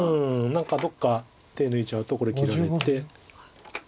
何かどっか手抜いちゃうとこれ切られて。